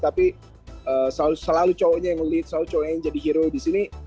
tapi selalu cowoknya yang lead selalu cowoknya yang jadi hero disini